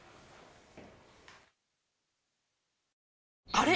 あれ？